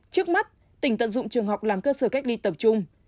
trước mắt tỉnh tận dụng trường học làm cơ sở cách ly tập trung